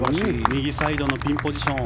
右サイドのピンポジション。